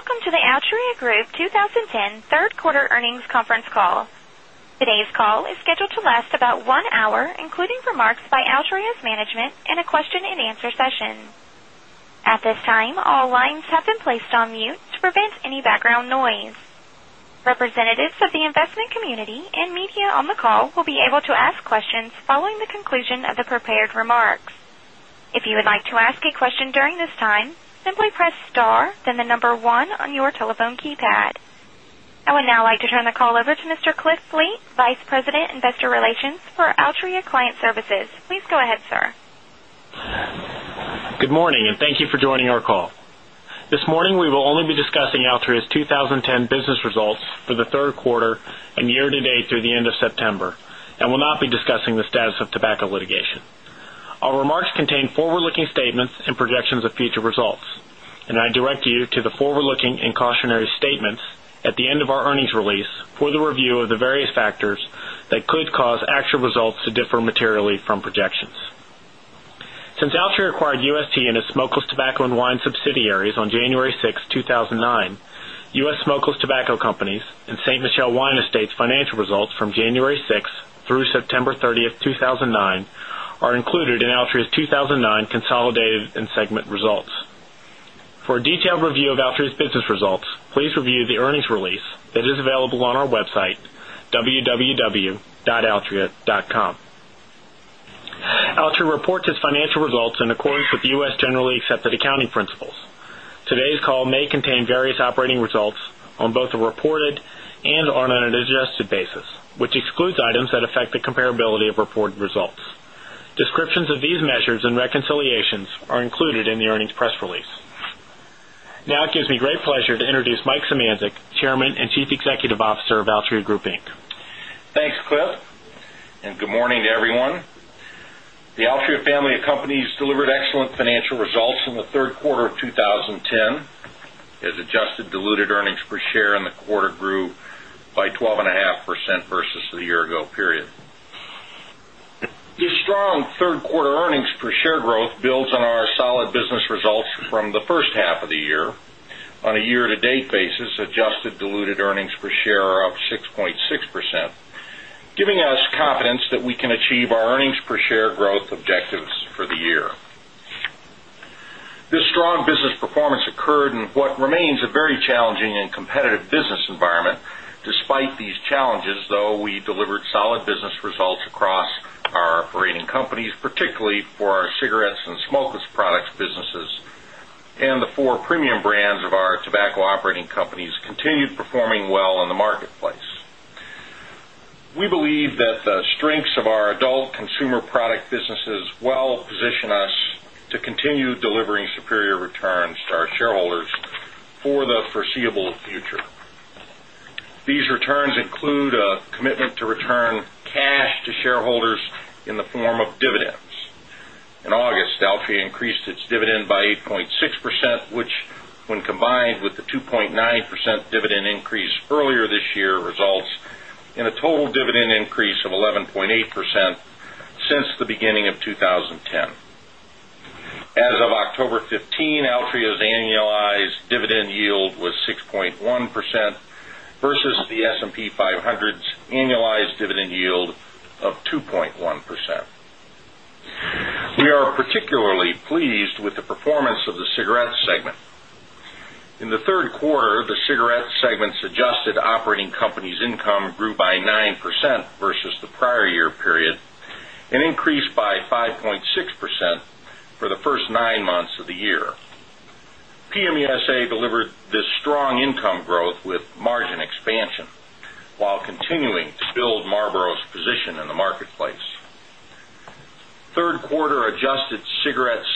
Good day, and welcome to the Altria Group 20 10 Third Quarter Earnings Conference Call. Today's call is scheduled to last about 1 hour, including remarks by Altria's management and a question and answer session. At this time, all lines have been placed on mute to prevent any background noise. Representatives of the investment community and media on the call will be able to ask questions following the conclusion of prepared remarks. I would now like to turn the call over to Mr. Cliff Lee, Vice President, Investor Relations for Altria Client Services. Please go ahead, sir. Good morning and thank you for joining our call. This morning, we will only be discussing Altria's 2010 business results for the Q3 year to date through the end of September and will not be discussing the status of tobacco litigation. Our remarks contain forward looking statements and projections of future results, and I direct you to the forward looking and cautionary statements at the end of our earnings release for the review of the various factors that could cause actual results to differ materially from projections. Since Altria acquired UST and its Smokeless Tobacco and Wine subsidiaries on January 6, 2000 and and 9, U. S. Smokeless Tobacco Companies and St. Michelle Wine Estates financial results from January 6 through September 30, 2 2,009 are included in Altria's 2,009 consolidated and segment results. For a detailed review of Altria's business results, please review the earnings release that is available on our website, www.altria.com. Altria reports its financial results in accordance with U. S. Generally Accepted Accounting Principles. Today's call may contain various operating results on both a reported and on an basis, which excludes items that affect the comparability of reported results. Descriptions of these measures and reconciliations are included in the earnings press release. Now it gives me great pleasure to introduce Mike Symantec, Chairman and Chief Executive Officer of Altria Group, Inc. Cliff, and good morning to everyone. The Altria family of companies delivered excellent financial results in the Q3 of 20 10 as adjusted diluted earnings per share in the quarter grew by 12.5% versus the year ago period. This This diluted earnings per share are up 6.6%, giving us confidence that we can achieve our earnings per share growth objectives for the year. This strong business performance occurred in what remains a very challenging and competitive business environment. Despite these challenges though, we delivered solid business results across our operating companies, particularly for our cigarettes and smokeless products businesses and the 4 premium brands of our tobacco operating companies continued performing well in the marketplace. We believe that the strengths of our adult consumer product businesses well position us to continue delivering superior returns to our shareholders for the foreseeable future. These returns include a commitment to return cash to shareholders in the form of dividends. In August, Delphi increased its dividend by 8.6%, which when combined with the 2.9% dividend increase earlier this year results in a total dividend increase of 11.8% since the beginning of 2010. As of October 15, Altria's annualized dividend yield was 6.1 percent versus the S and P 500's annualized dividend yield of 2.1%. We operating company's income grew by 9% versus the prior year period and increased by 5 point 6% for the 1st 9 months of the year. PMUSA delivered this strong income growth with margin expansion,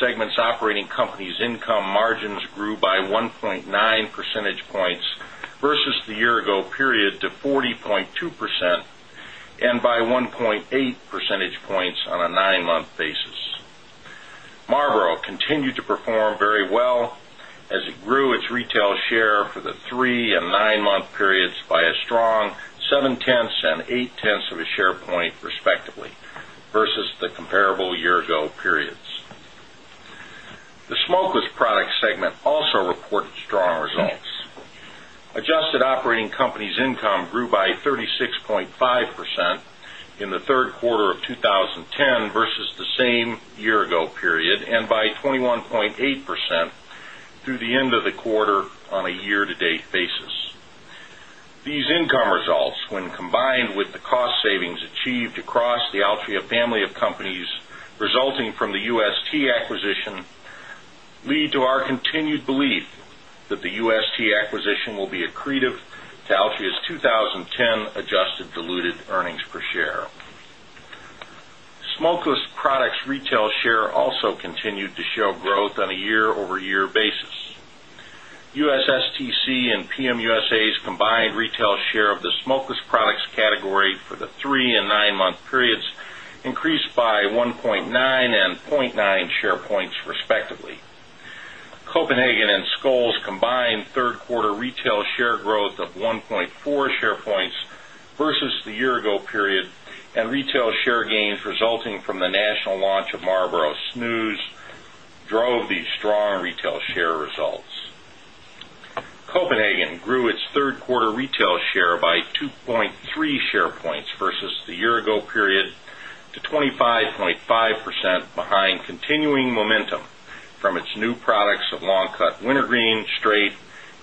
segment's operating company's income margins grew by 1.9 percentage points versus the year ago period to 40.2% and by 1 point 8 percentage points on a 9 month basis. Marlboro continued to perform very well as it grew its retail share for the 3 9 month periods by a strong 0.7 years ago periods. The Smokeless Products segment also reported strong results. Adjusted operating company's income grew by 36.5 percent in the Q3 of 2010 versus the same year ago period and by 21.8 percent through the end of the quarter on a year to date basis. These income results, when combined with the cost savings achieved the Altria family of companies resulting from the UST acquisition, lead to our continued belief the UST acquisition lead to our continued belief that the UST acquisition will be accretive to Altria's 20 10 adjusted diluted earnings per share. Retail share of the smokeless products category for the 3 9 month periods increased by 1.9 and 0.9 share points, respectively. Copenhagen and Skol's combined 3rd quarter retail share growth of 1.4 points versus the year ago period and retail share gains resulting from the national launch of Marlboro SNUs drove these strong retail share results. Copenhagen grew its 3rd quarter retail share by 2.3 products of Long Cut Wintergreen, Straight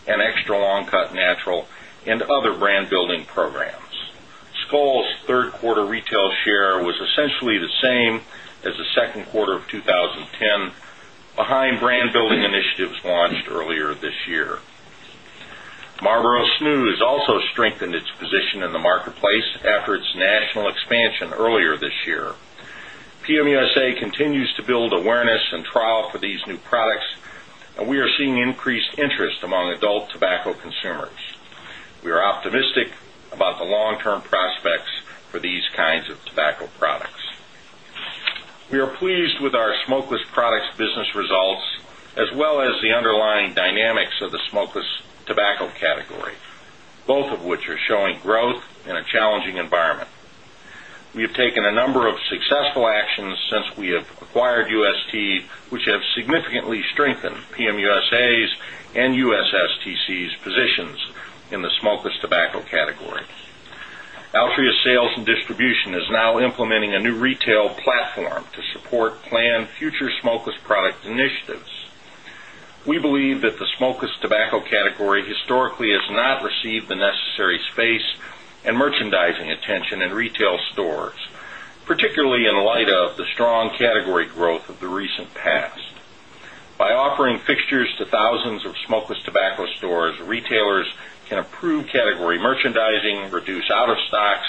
and Extra Long Cut Natural and other brand building programs. Skol's 3rd quarter retail share was essentially the same as the Q2 of 2010, behind brand building initiatives launched earlier this year. Marlboro SNU has also strengthened its position in the marketplace after its national expansion earlier this year. PM USA continues to build awareness and trial for these new products and we are seeing increased interest among adult tobacco consumers. We are optimistic about the long term prospects for these kinds of tobacco products. We are pleased with our smokeless products business results as well as the underlying dynamics of the smokeless tobacco category, both of which are showing growth in a challenging environment. We have taken a number of successful actions since we have acquired UST, which have significantly strengthened PM USA's and USSTC's positions in the smokeless tobacco category. Altria sales and distribution is now implementing a new retail platform to support planned future smokeless product initiatives. We believe that the smokeless tobacco category historically has not received the necessary space and merchandising attention in retail stores, particularly in light of the strong category growth of the recent past. By offering fixtures to 1,000 of smokeless tobacco stores, retailers can improve category merchandising, reduce out of stocks,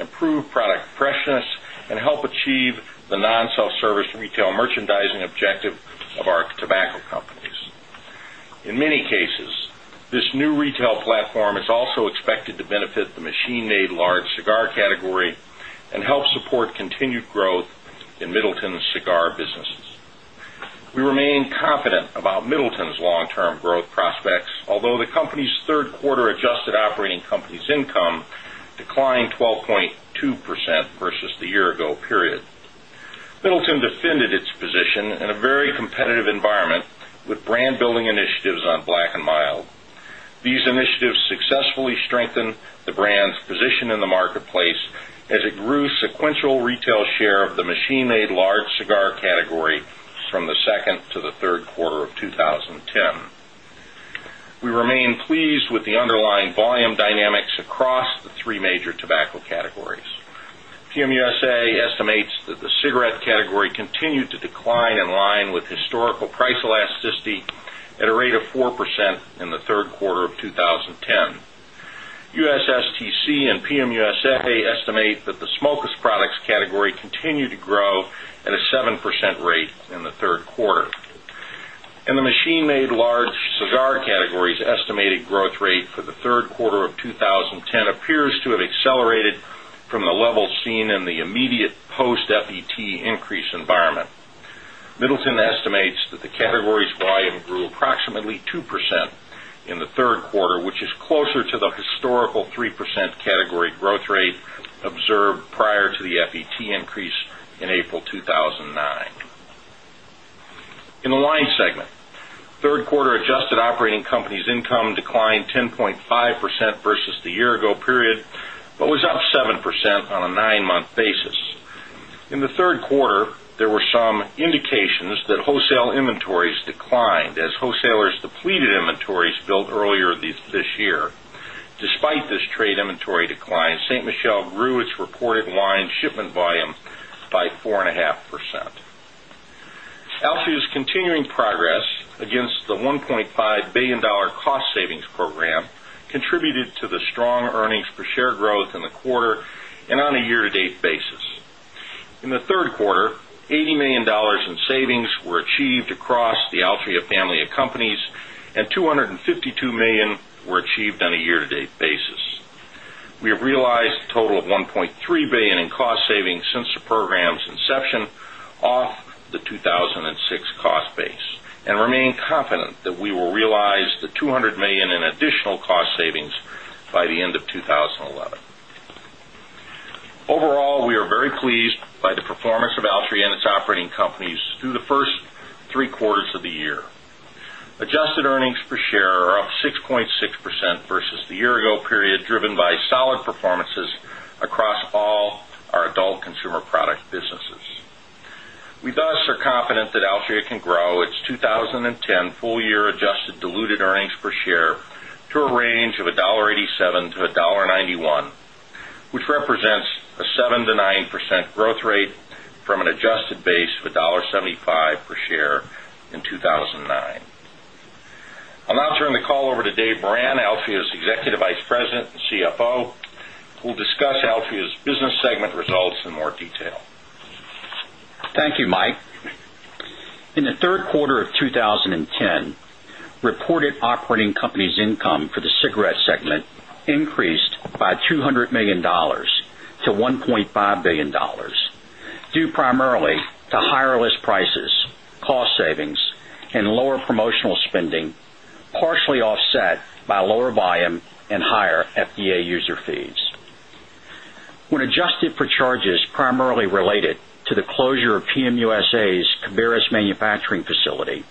improve product freshness and help achieve the non self-service retail merchandising objective of our tobacco companies. In many cases, this new retail platform is also expected to benefit the machine made large cigar category and help support continued growth in Middleton's cigar businesses. We remain confident about Middleton's long term growth prospects, although the company's 3rd quarter adjusted operating company's income declined 12.2% versus the year ago period. Middleton defended its position in a very competitive environment with brand building initiatives on Black and Mild. These initiatives successfully strengthened the brand's position in the marketplace as it grew sequential retail share of the machine made large cigar category from the 2nd to the Q3 of 2010. We remain pleased with the underlying volume dynamics across the 3 major tobacco categories. PM USA estimates that the cigarette category continued to decline in line with historical price at a rate of 4% in the Q3 of 2010. USSTC and PM USA estimate that the Smokus products category continued to grow at a 7% rate in the 3rd quarter. And the machine made large And the machine made large cigar categories estimated growth rate for the Q3 of 2010 appears to have accelerated from the levels seen in the immediate post category growth rate observed prior to the FET increase in April 2,009. In the lines segment, 3rd line segment, 3rd quarter adjusted operating companies income declined 10.5% versus the year ago period, but was up 7% on a 9 month basis. In the Q3, there were some indications that wholesale inventories declined as wholesalers depleted inventories built earlier this year. Despite this trade inventory decline, St. Michel grew its reported line shipment volume by 4.5%. Altria's continuing progress against the $1,500,000,000 cost savings program contributed to the strong earnings per share growth in the quarter and on a year to date basis. In the Q3, dollars 80,000,000 in savings were achieved across the Altria family of companies and $252,000,000 were achieved on a year to date basis. We have realized total of $1,300,000,000 in cost savings since the program's inception off the 2,006 cost base and remain confident 2011. Overall, we are very pleased by the performance of Altria and its operating companies through the 1st 3 quarters of the year. Adjusted earnings per share are up 6.6 percent versus the year ago period, driven by solid performances across all our adult consumer product businesses. We thus are confident that Altria can grow its 20.10 full year adjusted diluted earnings per share to a range of $1.87 to $1.91 which represents a 7% to 9% growth rate from an adjusted base of $1.75 per share in 2,009. I'll now turn the call over to Dave Brand, Alfea's Executive Vice President and CFO, who will discuss Alfea's business segment higher FDA user fees. When adjusted for charges primarily related to the closure of PM USA's Cabaris manufacturing facility,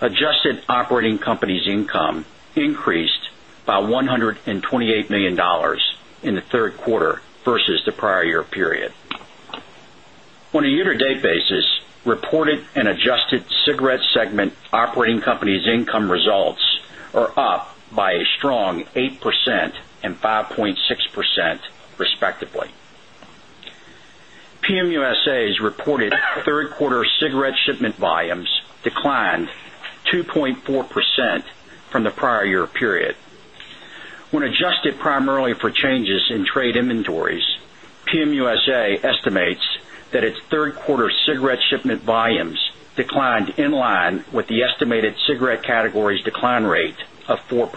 adjusted operating company's income increased by $128,000,000 in the Q3 versus the prior year period. On a year to date basis, reported and adjusted cigarette segment operating company's income 3rd quarter cigarette shipment volumes declined 2.4% from the prior year period. When adjusted primarily for in trade inventories, PM USA estimates that its 3rd quarter cigarette shipment volumes declined in line with the estimated cigarette categories decline rate of 4%. Of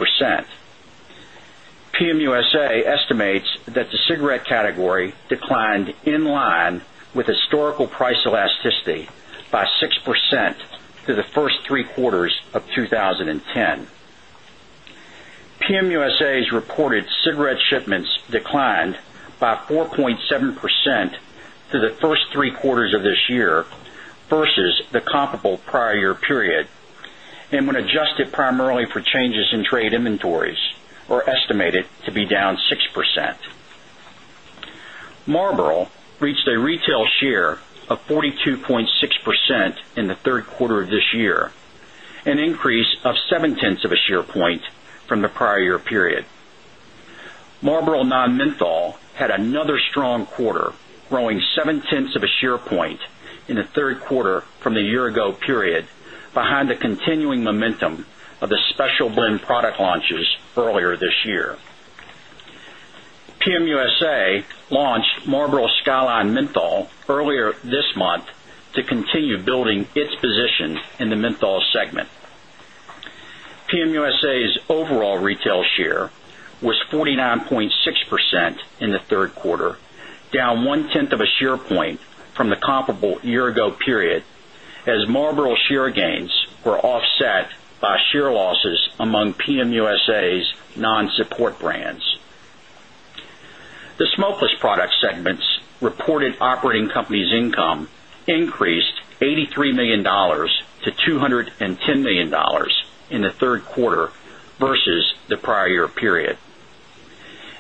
2010. PM USA's reported cigarette shipments declined by 4.7% through the 1st 3 quarters of this year versus the comparable prior year period and when adjusted primarily for changes in trade inventories are estimated to be down 6%. Marlboro reached a retail share of 42 point 6% in the Q3 of this year, an increase of 0.7 percent of a share point in the 3rd quarter from the year ago period behind the continuing momentum of the special blend product launches month to continue building its position in the menthol segment. PM USA's overall retail share was 49.6 percent in the 3rd quarter, down 1 tenth of a share point from the comparable year ago period as Marlboro share gains were offset by share losses among PM USA's non support brands. The Smokeless Products segment's reported operating companies income increased $83,000,000 to $210,000,000 in the 3rd quarter versus the prior year period.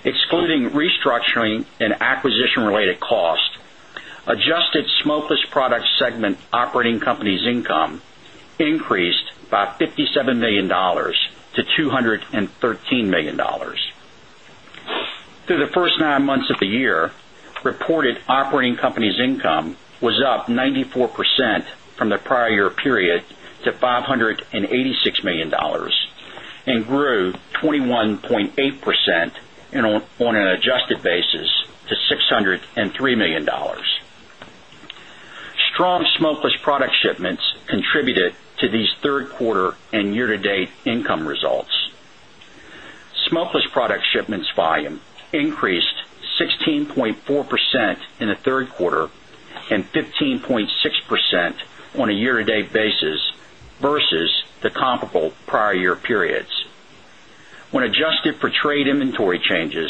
Excluding restructuring and acquisition related costs, adjusted Smokeless Products segment operating company's income increased by 50 $7,000,000 to $213,000,000 Through the 1st 9 months of the year, reported operating company's income was up 94% from the prior year period to $586,000,000 and grew 21.8 percent on an adjusted basis to $603,000,000 Strong smokeless product shipments contributed to these 3rd quarter and year to date income results. Smokeless product shipments volume increased 16.4% in the 3rd quarter and 15.6% on a year to date basis versus the comparable prior year periods. When adjusted for trade inventory changes,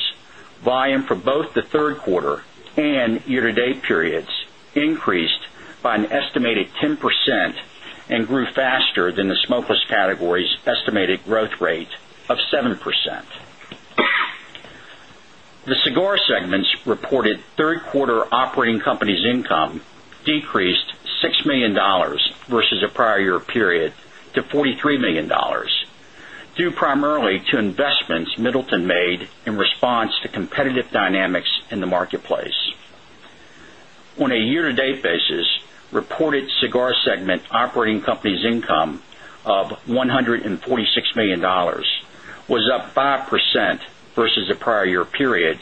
volume for both the Q3 and year to date periods increased by an estimated 10% and grew faster than the smokeless category's estimated growth rate of 7%. The cigar segments reported 3rd quarter operating companies income decreased $6,000,000 versus a prior year period to $43,000,000 due primarily to investments Middleton made in response to competitive dynamics in the marketplace. On a year to date basis, reported cigar segment operating companies income of $146,000,000 was up 5% versus the prior year period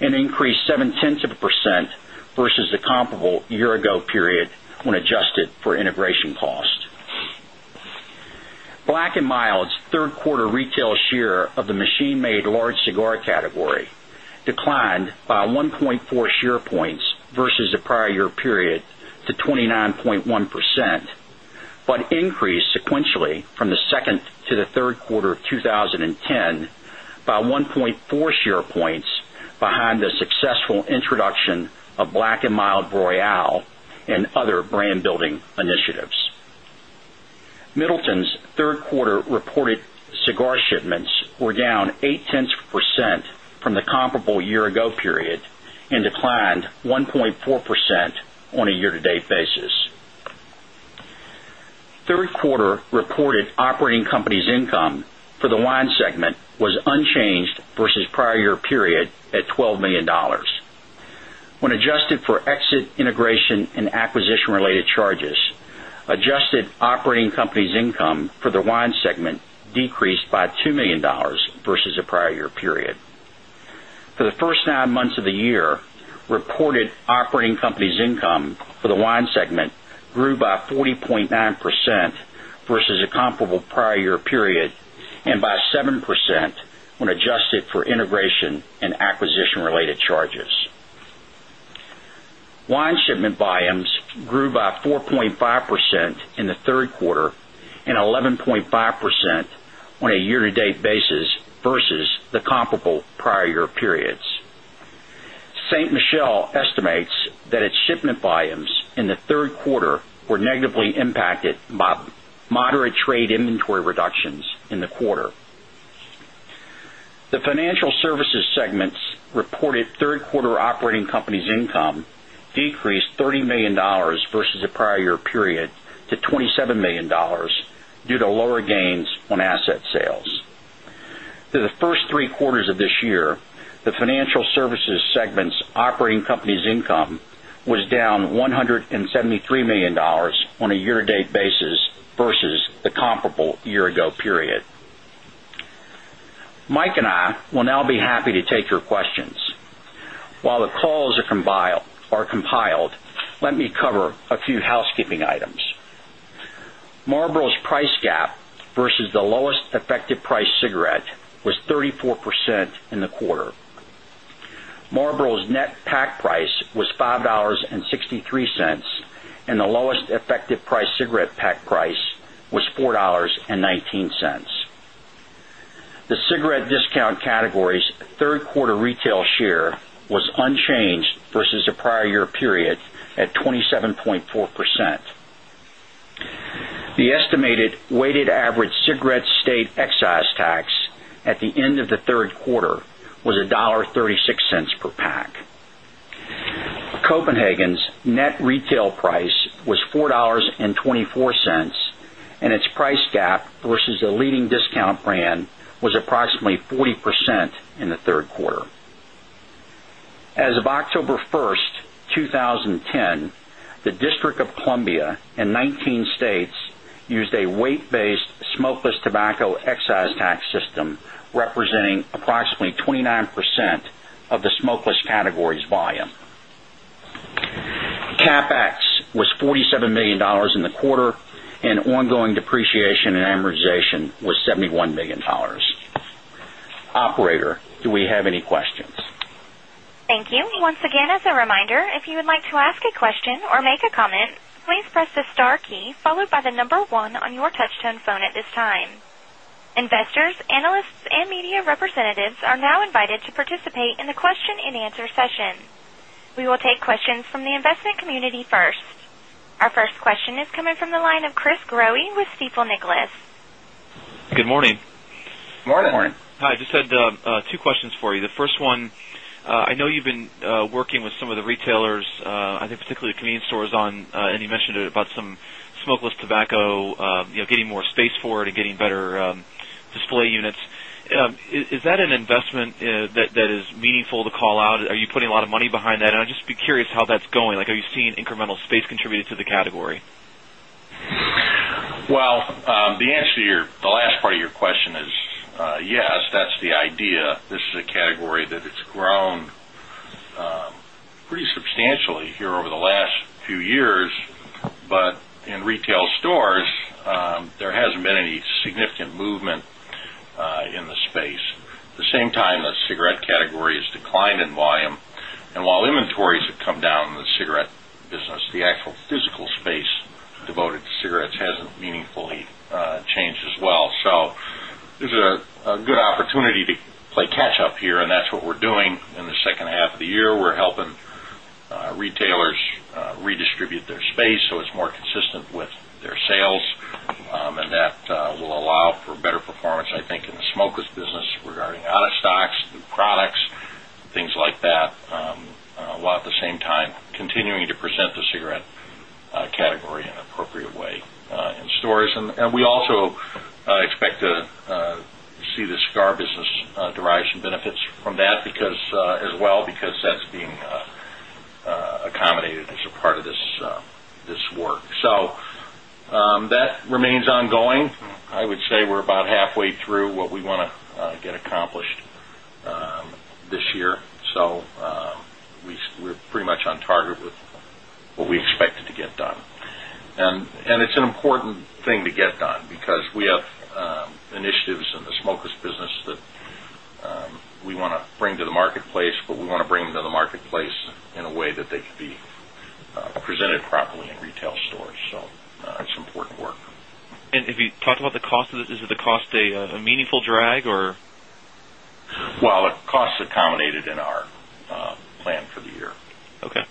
and increased 0.7% versus the comparable year ago period when adjusted for integration cost. Black and Mild's 3rd quarter retail share of the machine made large cigar category declined by 1 point 4 share points versus the prior year period to 29.1%, but increased sequentially from the the 2nd to the Q3 of 2010 by 1.4 share points behind the successful introduction of Black and Mild Royale and other brand building initiatives. Middleton's 3rd quarter reported cigar shipments were down 0.8 percent from the comparable year ago period and declined 1.4% on a year to date basis. 3rd quarter reported operating companies income for the wine segment was unchanged versus prior year period at 12 $1,000,000 When adjusted for exit integration and acquisition related charges, adjusted operating companies company's income for the wine segment decreased by $2,000,000 versus the prior year period. For the 1st 9 months of the year, reported operating companies income for the wine segment grew by 40.9% versus a comparable prior year period and by 7% when adjusted for integration and acquisition related charges. Wine shipment volumes grew by 4.5% in the 3rd quarter and 11.5% on a year to date basis versus the comparable prior year periods. St. Michelle estimates that its shipment volumes in the Financial Services segment's reported 3rd quarter operating company's income decreased $30,000,000 versus the prior year period to 20 $7,000,000 due to lower gains on asset sales. Through the 1st 3 quarters of this year, the Financial Services segment's operating ago period. Mike and I will now be happy to take your questions. While the calls are compiled, let me cover a few housekeeping items. Marlboro's price gap versus the lowest effective price was 34% in the quarter. Marlboro's net pack price was 5.63 dollars and the lowest effective price cigarette pack price was $4.19 The cigarette discount category's 3rd quarter retail share was unchanged versus the prior year period at 27.4 percent. The estimated weighted average cigarette state excise tax at the end of the 3rd quarter was $1.36 per pack. Copenhagen's net retail price was 4.24 dollars and its price gap versus the leading discount brand was approximately 40% in the 3rd quarter. As excise tax system representing approximately 29% of the smokeless categories volume. CapEx was $47,000,000 in the quarter and ongoing depreciation and amortization was $71,000,000 Operator, do we have any questions? Thank you. Our first question is coming from the line of Chris Growe with Stifel Nicolaus. Good morning. Good morning. Hi. Just had two questions for you. The first one, I know you've been working with some of the retailers, I think particularly convenience store is on and you mentioned about some smokeless tobacco, getting more space for it and getting better display units. Is that an investment that category? Well, the answer to your question is, is that category? Well, the answer to your the last part of your question is, yes, that's the idea. This is a category that it's grown pretty substantially here over the last few years. But in retail stores, there hasn't been any significant movement in the space. At the same time, the cigarette category has declined in volume and while inventories have come down in the cigarette business, the actual physical space devoted to cigarettes hasn't meaningfully changed as well. So there's a good opportunity to play catch up here and that's what we're doing in the second half of the year. We're helping retailers redistribute their space, so it's more consistent with their sales. And that will allow for better performance I think in smokers business regarding out of stocks, new products, things like that, while at the same time continuing to present the cigarette category in an appropriate way in stores. And we also expect to see the Scar Business derive some benefits from that because as well because that's being accommodated as a part of this work. So that remains ongoing. I would say we're about halfway through what we want to get accomplished this year. So we're pretty much on target with what we expected to get done. And it's an important thing to get done because we have initiatives in the smokers business that we want to bring to the marketplace, but we want to bring to marketplace in a way that they could be presented properly in retail stores. So it's important work. And if you talked about the the cost a meaningful drag or? Well, the cost accommodated in our plan for the year. Okay.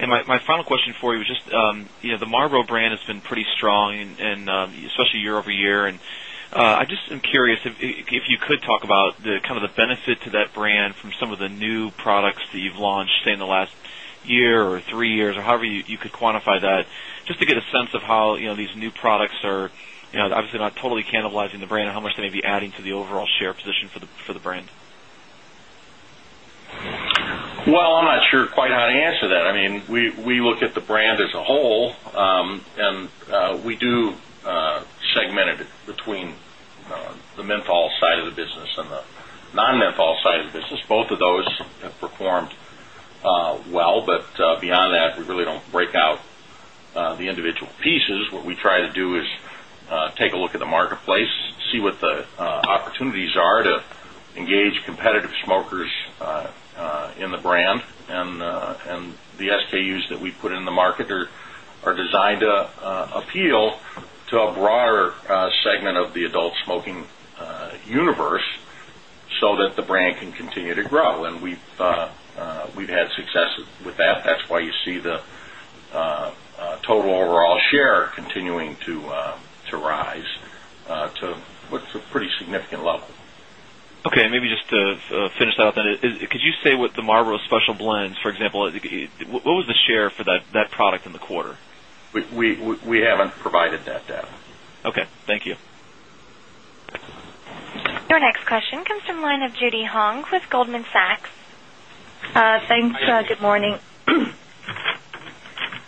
And my final question for you is just the Marlboro brand has been pretty strong and especially year over year. And I just am curious if you could talk about the kind of the benefit to that brand from some of the new products that you've launched say in the last year or 3 years or however you could quantify that. Just to get a sense of how these new products are obviously not totally cannibalizing the brand and how much they may be adding to the overall share position for the brand? Well, I'm not sure quite how to answer that. I mean, we look at the brand as a whole and we do segment it between the menthol side of the business and the non menthol side of the business. Both of those have performed well. But beyond that, we really don't break out the individual pieces. What we try to do is take a look at the marketplace, see what the opportunities are to engage competitive smokers in the brand and the SKUs that we put in the market are designed to appeal to a broader segment of the adult smoking universe, so that the brand can continue to grow. And we've had success with that. That's why you see the total overall share continuing to rise to a pretty significant level. Okay. Maybe just to finish that then. Could you say what the Marlboro Special Blend, for example, what was the share for that product in the quarter? We haven't provided that data. Okay. Thank you. Your next question comes from the line of Judy Hong with Goldman Sachs. Thanks. Good morning.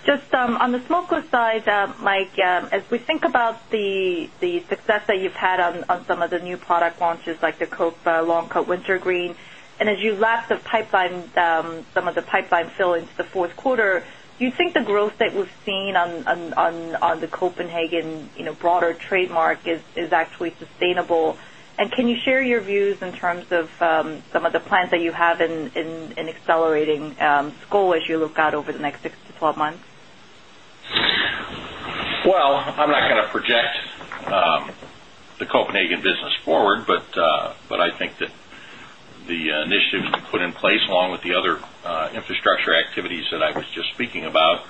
Just on the smokers side, Mike, as we think about the success that you've had on some of the new product launches like the Coke Long Coke Wintergreen and as you lap the pipeline some of the pipeline fill into the Q4, do you think the growth that we've seen on the Copenhagen broader trademark is actually sustainable? And can you share your views in terms of some of the plans that you have in accelerating school as you look out over the next 6 to 12 months? Well, I'm not going to project the Copenhagen business forward, but I think that the initiatives we put in place along with the other infrastructure activities that I was just speaking about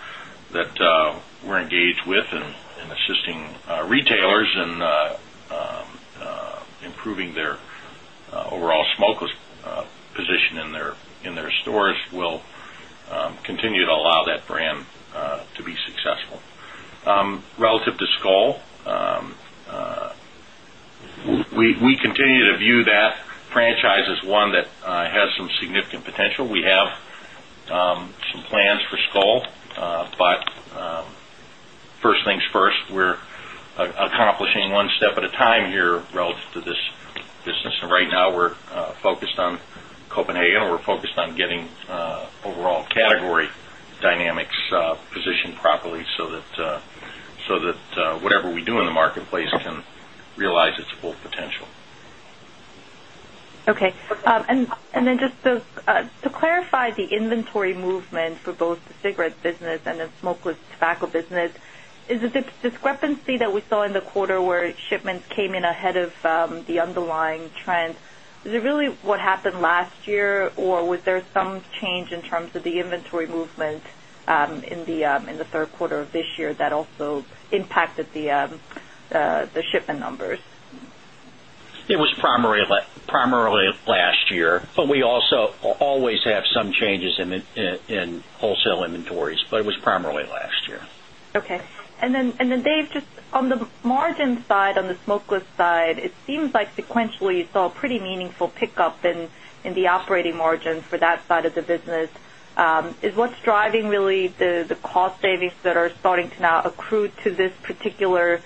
that we're engaged with and assisting retailers in improving their overall smokeless position in their stores will continue to allow that brand to be Relative to Skol, we continue to view that franchise as one that has some significant potential. We have some plans for Skol, but first things first, we're accomplishing one step at a time here relative to this business. And right now, category dynamics positioned properly, so that whatever we do in the marketplace can realize its full potential. Okay. And then just to clarify the inventory movement for both the cigarette business and the smokeless tobacco business, is the discrepancy that we saw in the quarter where shipments came in ahead of the underlying trend, is it really what happened last year? Or was there some change in terms of the inventory movement in the Q3 of this year that also impacted the shipment numbers. It was primarily last year, but we also always have some changes in wholesale inventories, but it was primarily last year. Okay. And then Dave, just on the margin side, on the smokeless side, it Is what's driving really the cost savings that are starting to now accrue to this particular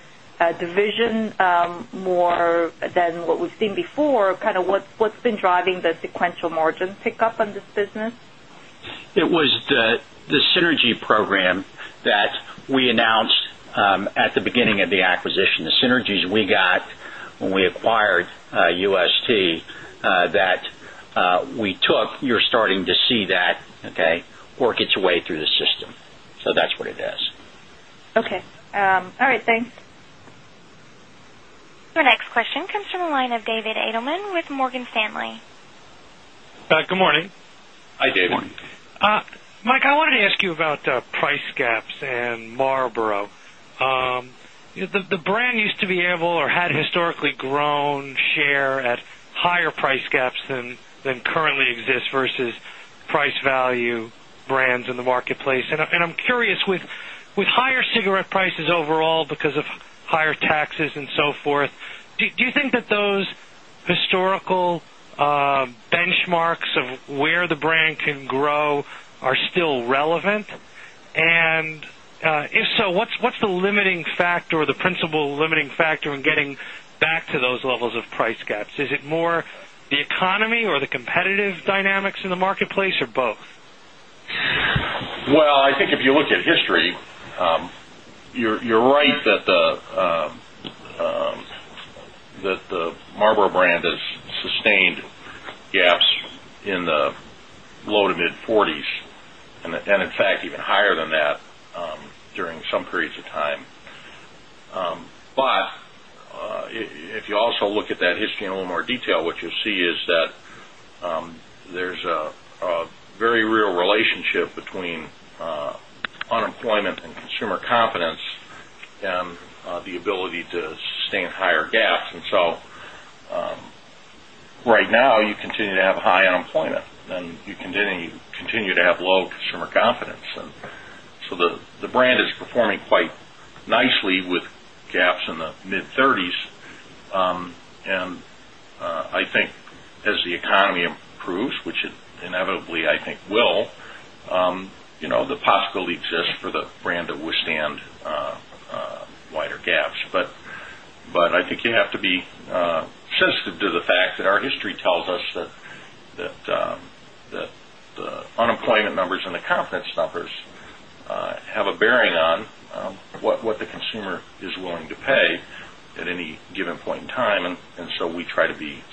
division more than what we've seen before? Kind what's been driving the sequential margin pickup on this business? It was the synergy program that we announced at the beginning of the acquisition. The synergies we got when we acquired UST that we took, you're starting to see that, okay, work its way through the system. So that's what it is. Okay. All right. Thanks. Your next question comes from the line of David Adelman with Morgan Stanley. Good morning. Hi, David. Good morning. Mike, I wanted to ask you about price gaps in Marlboro. The brand used to be able or had historically grown share at higher price gaps than currently exists versus price value brands in the marketplace. And I'm curious with higher cigarette prices overall because of higher taxes and so forth, do you think that those historical benchmarks of where the brand can grow are still relevant? And if so, what's the limiting factor or the principal limiting factor in getting back to those levels of price gaps? Is it more the economy or the competitive dynamics in the marketplace or both? Well, I think if you look at history, you're right that the Marlboro brand has sustained gaps in the low to mid-40s and in fact even higher than that during some periods of time. But if you also look at that history in a little more detail, what you see is that there's a very real relationship between unemployment and consumer confidence and the ability to sustain higher gaps. And so right now, you continue to have high unemployment and you continue to have low consumer confidence. And so the brand is performing quite nicely with gaps in the mid-30s. And I think as the economy improves, which inevitably I think will, the possibility exists for the brand to withstand wider gaps. But I think you have be sensitive to the fact that our history tells us that the unemployment numbers and the confidence numbers have a bearing on what the consumer is willing to pay at any given point in time. And so we try to be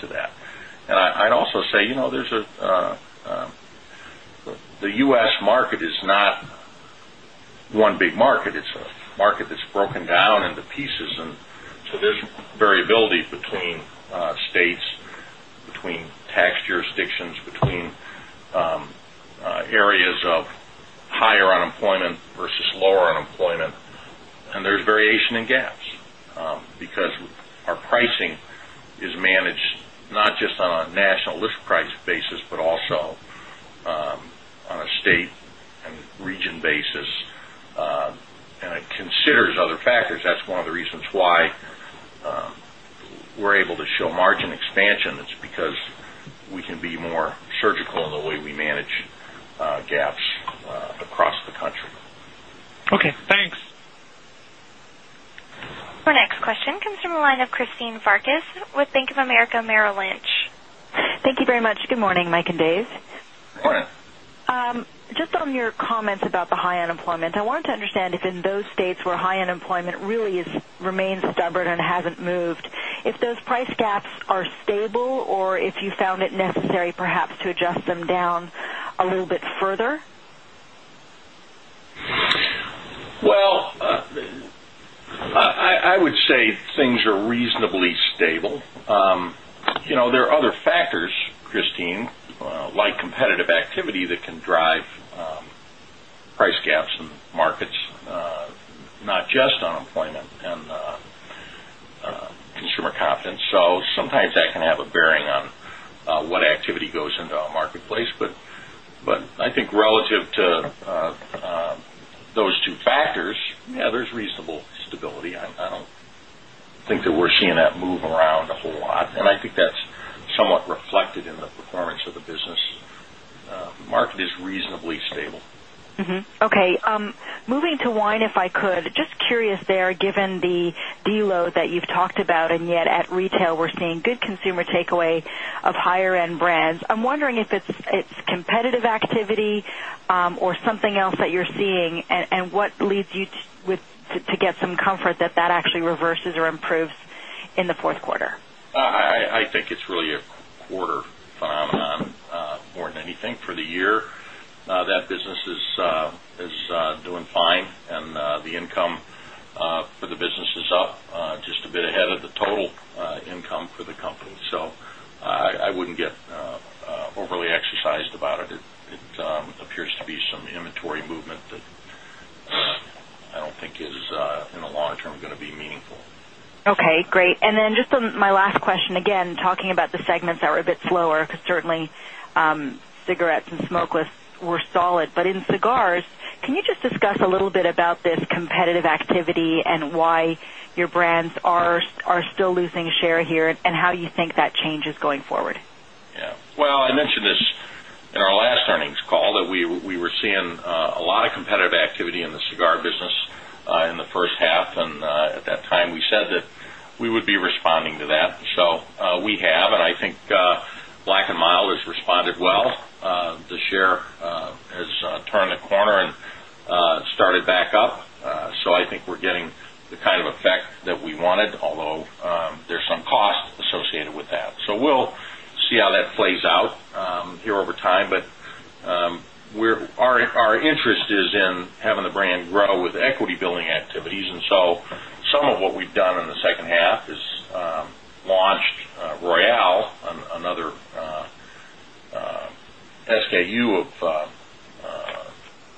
to that. And I'd also say, there's a the U. S. Market is not one big market. It's a market that's broken down into pieces. And so there's variability between states, between tax jurisdictions, between areas of higher unemployment versus lower unemployment. List other factors. That's one of the reasons why we're able to show margin expansion. It's because we can be more surgical in the way we manage gaps across the country. Okay. Thanks. Your next question comes from the line of Christine Farkas with Bank of America Merrill Lynch. Thank you very much. Good morning, Mike and Dave. Good morning. Just on your comments about the high unemployment, I wanted to understand if in those states where high unemployment really remains stubborn and hasn't moved, if those price gaps are stable or if you found it necessary perhaps to adjust them down a little bit further? Well, I would say things are reasonably stable. There are other factors, Christine, like competitive activity that can drive price gaps not just unemployment and consumer confidence. So sometimes that can have a bearing on what activity goes into our marketplace. But I think relative to those two factors, yes, there's reasonable stability. I don't think that we're seeing that move around a whole lot. And I think that's somewhat reflected in the performance of the business. The market is reasonably stable. Okay. Moving to wine, if I could. Just curious there given the deload that you've talked about and yet at retail, we're seeing good consumer takeaway of higher end brands. I'm wondering if it's competitive activity or something else that you're seeing and what leads you with to get some comfort that actually reverses or improves in the Q4? I think it's really a quarter phenomenon more than anything for the year. That business is doing fine and the income for the business is up just a bit ahead of the total income the company. So, I wouldn't get overly exercised about it. It appears to be some inventory movement that I don't think is in the long term going to be meaningful. Okay, great. And then just my last question again talking about the segments that were a bit slower because certainly cigarettes and smokeless were solid. But in cigars, can you just discuss a little bit about this competitive activity and why your brands are still losing share here and how you think that changes going forward? Yes. Well, I mentioned this in our last earnings call that we were seeing a lot of competitive activity in the cigar business in the first half. And at that time, we said that we would be responding to that. So we have and I think black and mild has responded well. The share has turned the corner and started back up. So I think we're getting the kind of effect that we wanted, although there's some cost associated with that. So we'll see how that plays out here over time, but our interest is in having the brand grow with equity building activities. And so some of what we've done in the second half is launched Royale, another SKU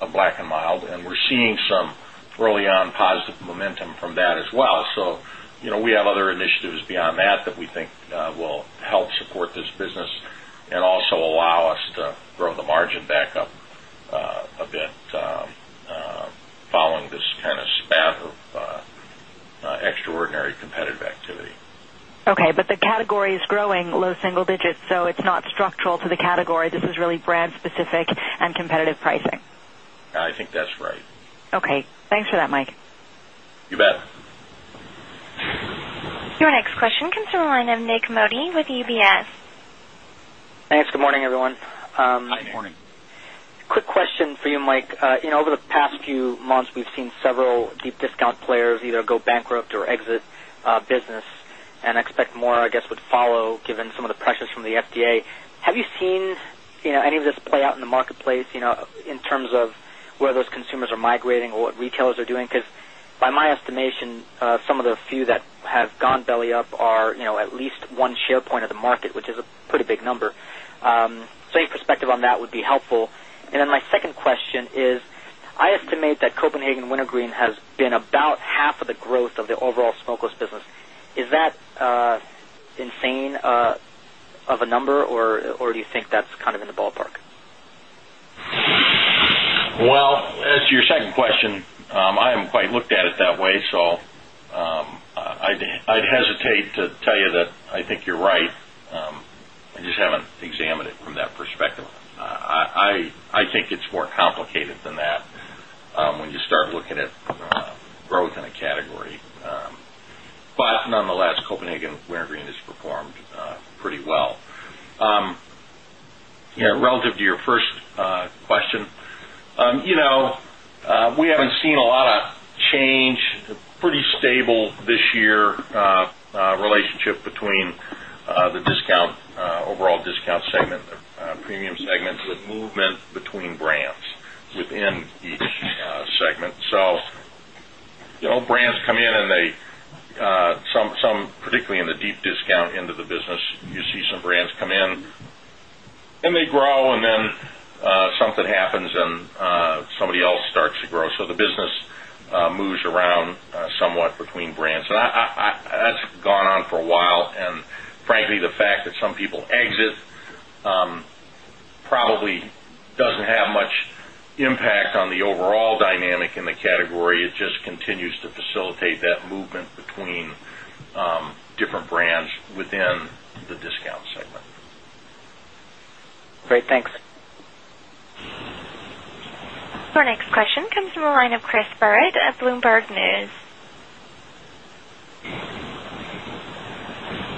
of black and mild and we're seeing some early on positive momentum from that as well. So, we have other initiatives beyond that that we think will help support this business and also allow us to grow the margin back up a bit following this kind of spat of extraordinary competitive activity. Okay. But the category is growing low single digits, so it's not structural to the category. This is really brand specific and competitive pricing? I think that's right. Okay. Thanks for that, Mike. You bet. Your next question comes from the line of Nik Modi with UBS. Thanks. Good morning, everyone. Hi, Nik. Quick question for you, Mike. Over the past few months, we've seen several deep discount players either go bankrupt or exit business and expect more, I guess, would follow given some of the pressures from the FDA. Have you seen any of this play out in the marketplace in terms of where those consumers are migrating or what retailers are doing? Because by my estimation, some of the few that have gone belly up are at least one share point of the market, which is a pretty big number. So any perspective on that would be helpful. And then my second question is, I estimate that Copenhagen Wintergreen has been about half of the growth of overall Smokeless business. Is that insane of a number or do you think that's kind of in the ballpark? Well, as to your second question, I haven't quite looked at it that way. So I'd hesitate to you that I think you're right. I just haven't examined it from that perspective. I think it's more complicated than that when you start looking at growth in a category. But nonetheless, Copenhagen Wear and Green has performed pretty well. Relative to your first question, we haven't seen a lot of change, pretty stable this year relationship between the discount overall discount segment, premium segment, the movement some particularly in the deep discount into the business, you see some brands come in and they grow and then something happens and somebody else starts to grow. So the business moves around somewhat between brands. That's gone on for a while. And frankly, the fact that some people exit probably doesn't have much impact on the overall dynamic in the category. It just continues to facilitate that movement between different brands within the discount segment. Great. Thanks. Your next question comes from the line of Chris of Bloomberg News.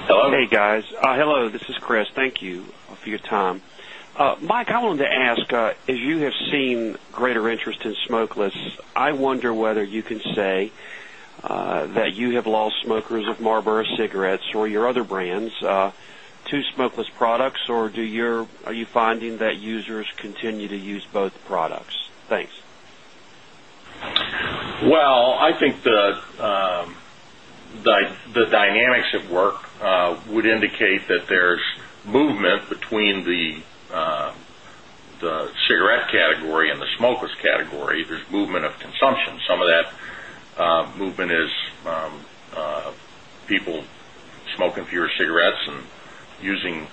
Hello. Hey, guys. Hello, this is Chris. Thank you for your that you have lost smokers of Marlboro Cigarettes or your other brands to smokeless products? Or do you are you finding that users dynamics at work would indicate that there's movement in the dynamics at work would indicate that there's movement between the cigarette category and the smokers category, there's movement of consumption. Some of that movement is people smoke inferior cigarettes and using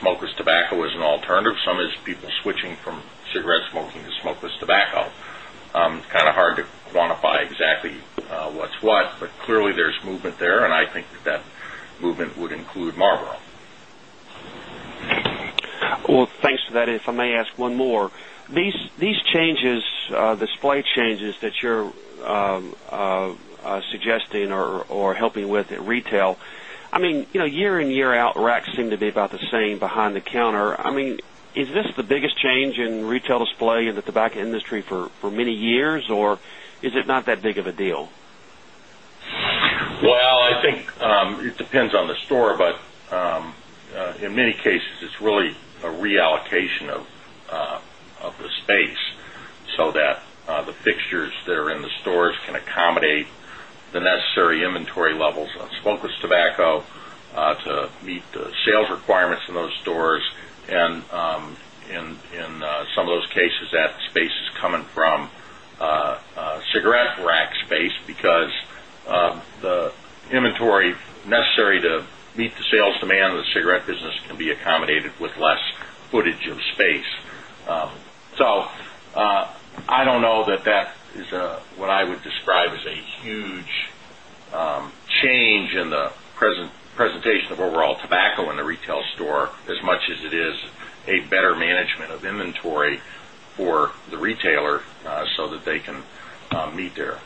smokers tobacco as an alternative, some is people switching from cigarette smoking to smokers tobacco. It's kind of hard to quantify exactly what's what, but clearly there's movement there and I think that movement would include Marlboro. Well, thanks for that. If I may ask one more, these changes, the slight changes that you're suggesting or helping with at retail, I mean year in, year out, racks seem to be about the same behind the counter. I mean, is this the biggest change in retail display in the tobacco industry for many years or is it not that big of a deal? Well, I think it depends on the store, but in many cases, it's really a reallocation of the space, so that the fixtures that are in the stores can accommodate the necessary inventory levels of smokeless tobacco to meet requirements in those stores. And in some of those cases that space is coming from cigarette rack space because the inventory necessary to meet the sales demand of the cigarette business can be accommodated with less footage of space. So I don't know that that is what I would describe as a huge change in the presentation of overall tobacco in the retail store as much as it is a better management of inventory for the retailer, so that they can meet their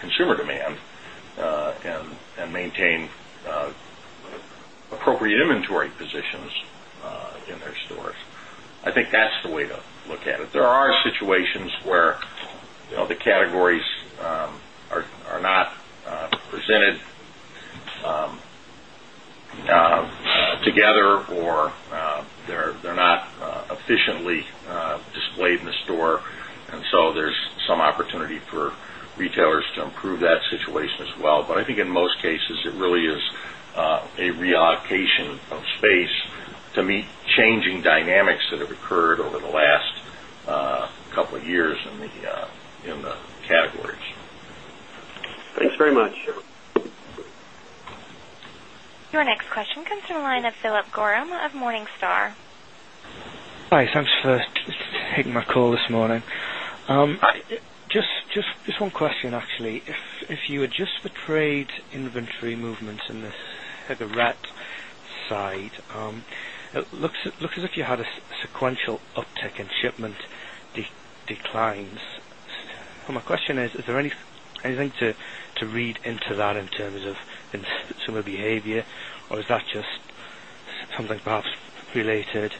consumer demand and maintain appropriate inventory positions in their stores. I think that's the way to look at it. There are situations where the or they're not efficiently displayed in the store. And so there's some opportunity for retailers to improve that situation as well. But I think in most cases, it really is a reallocation of space to meet changing dynamics that have occurred over the last couple of years in the categories. Thanks very much. Your next question comes from the line of Philip Gorham of Morningstar. Hi, thanks for taking my call this morning. Just one question actually. If you adjust the trade inventory movements in the rat side, it looks as if you had a sequential uptick in shipment declines. So my question is, is there anything to read into that in terms of consumer behavior? Or is that just something related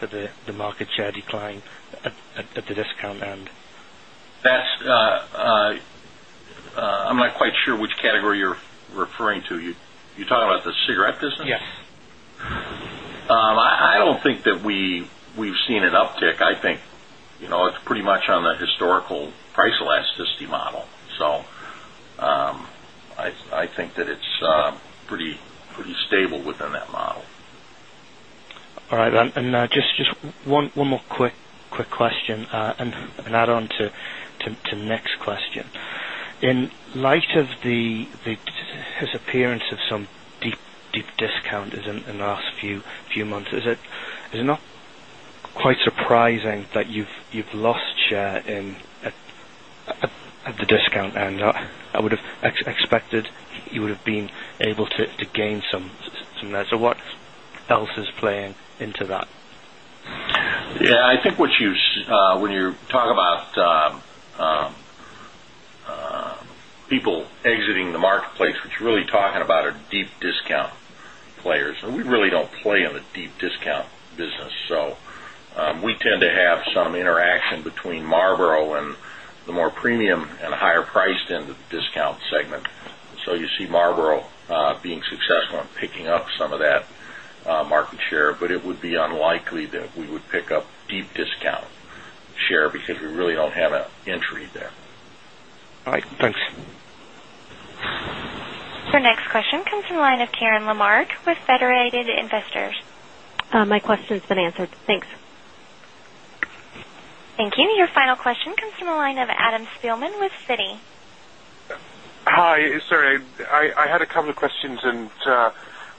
to the market share decline at the discount end? That's I'm not quite sure which category you're referring to. You're talking about the cigarette business? Yes. I don't think that we've seen an up I think it's pretty much on the historical price elasticity model. So I think that it's pretty stable within that model. All right. And just one more quick question and an add on to Nick's question. In light of the disappearance of some deep discount in the last few months, is it not quite surprising that you've lost share at the discount and I would have expected you would have been able to gain some there. So what else is playing into that? Yes. I think what you when you talk about people exiting the marketplace, which really talking about our deep discount players. And we really don't play in the deep discount business. So we tend to have some interaction between Marlboro and the more premium and higher priced end of the discount segment. So, you see Marlboro being successful in picking up some of that market share, but it would be unlikely that we would pick up deep discount share, because we really don't have an entry there. All right. Thanks. Thank you. Thank you. Thank you. Thank you. Thank you. Thank you. Thank you. Thank you. Thank you. Thank you. Thank you. Thank you. Thank you. Thank you. Thank you. Thank you. Thank you. Because we really don't have an entry there. All right. Thanks. Your next question comes from the line of Karen Lamarc with Federated Investors. My question has been answered. Thanks. Thank you. Your final question comes from the line of Adam Spielman with Citi. Hi. Sorry, I had a couple of questions and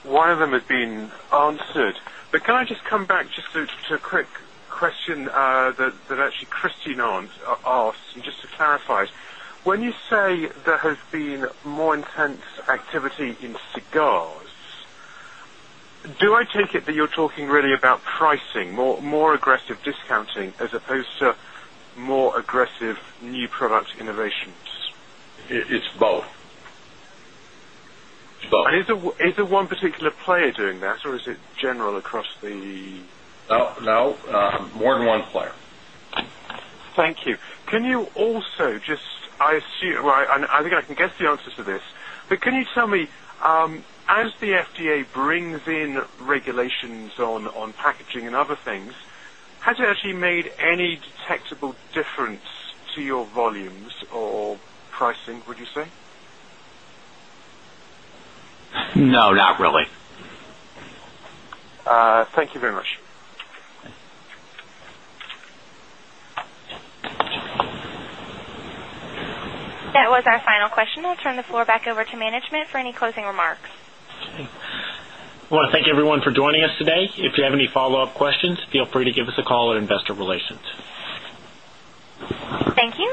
one of them has been answered. But can I just come back just to a quick question that actually Christian asked and just to clarify? When you say there has been more intense activity in cigars, do I take it that you're talking really about pricing, more aggressive discounting as opposed to more aggressive new product innovations? It's both. Is there one particular player doing that or is it general across the No, more than one player. Thank you. Can you also just I assume I think I can guess the answer to this, but can you tell me, as the FDA brings in regulations on packaging and other things, has it actually made any detectable difference to your volumes or pricing, would you say? No, not really. That was our final question. I'll turn the floor back over to management for any closing remarks. I want to thank everyone for joining us today. If you have any follow-up questions, feel free to give us a call at Investor Relations. Thank you.